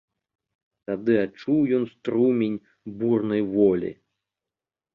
Тады адчуў ён струмень бурнай волі.